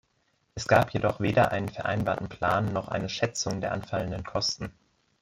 Es gab jedoch weder einen vereinbarten Plan noch eine Schätzung der anfallenden Kosten.